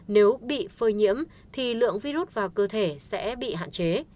nếu bị phơi nhiễm thì lượng virus vào cơ thể sẽ bị hạn chế